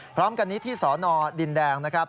พร้อมกันนี้ที่สนดินแดงนะครับ